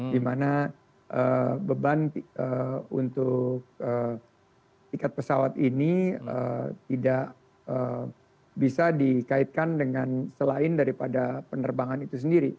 dimana beban untuk tiket pesawat ini tidak bisa dikaitkan dengan selain daripada penerbangan itu sendiri